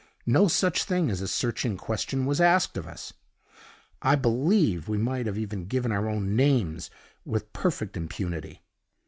No such thing as a searching question was asked of us; I believe we might even have given our own names with perfect impunity.